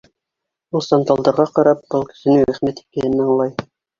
Ул, сандалдарға ҡарап, был кешенең Әхмәт икәнен аңлай.